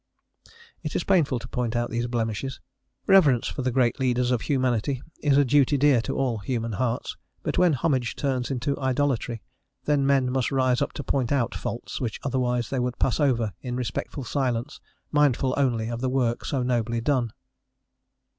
It is painful to point out these blemishes: reverence for the great leaders of humanity is a duty dear to all human hearts; but when homage turns into idolatry, then men must rise up to point out faults which otherwise they would pass over in respectful silence, mindful only of the work so nobly done.